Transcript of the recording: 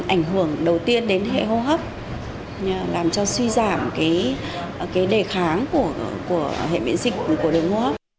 ảnh hưởng đầu tiên đến hệ hô hấp làm cho suy giảm cái đề kháng của hệ biện dịch của đường hô hấp